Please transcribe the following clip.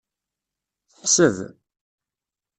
Teḥseb.